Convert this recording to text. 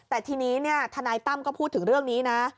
แต่ทีนี้ทนายตั้มก็พูดถึงเรื่องนี้นะ